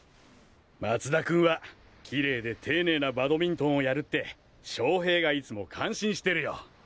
松田君はきれいで丁寧なバドミントンをやるって翔平がいつも感心してるよ。